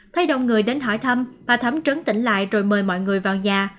thay đồng người đến hỏi thăm bà thắm trấn tỉnh lại rồi mời mọi người vào nhà